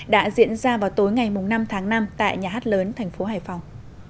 đã diễn ra vào tối ngày năm tháng năm tại nhà hát lớn thành phố hải phòng